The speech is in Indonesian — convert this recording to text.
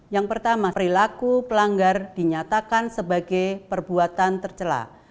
yang pertama perilaku pelanggar dinyatakan sebagai perbuatan tercelah